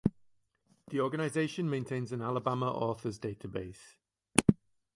The organization maintains an Alabama Authors database.